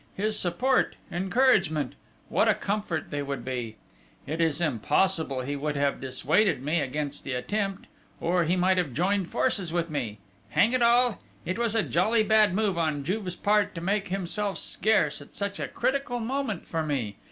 His support, encouragement what a comfort they would be!... It is possible he would have dissuaded me against the attempt or, he might have joined forces with me! Hang it all! It was a jolly bad move on Juve's part to make himself scarce at such a critical moment for me!...